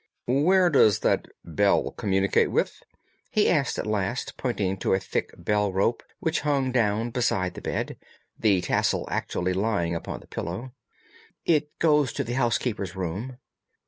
"Where does that bell communicate with?" he asked at last pointing to a thick bell rope which hung down beside the bed, the tassel actually lying upon the pillow. "It goes to the housekeeper's room."